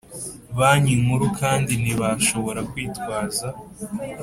Banki Nkuru kandi ntibashobora kwitwaza